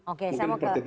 oke sama kak